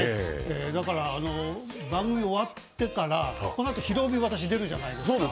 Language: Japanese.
だから番組終わってから、このあと「ひるおび」に私、出るじゃないですか。